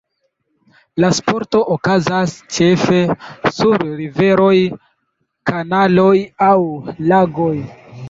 La sporto okazas ĉefe sur riveroj, kanaloj aŭ lagoj.